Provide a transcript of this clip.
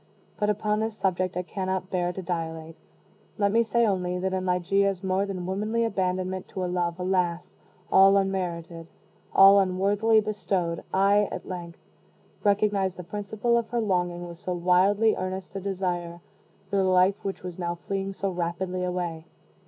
But upon this subject I cannot bear to dilate. Let me say only, that in Ligeia's more than womanly abandonment to a love, alas! all unmerited, all unworthily bestowed, I at length, recognized the principle of her longing, with so wildly earnest a desire, for the life which was now fleeing so rapidly away.